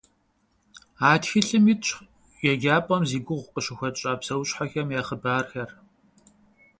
А тхылъым итщ еджапӏэм зи гугъу къыщытхуащӏа псэущхьэхэм я хъыбархэр.